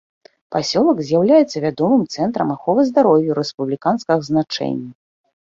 Пасёлак з'яўляецца вядомым цэнтрам аховы здароўя рэспубліканскага значэння.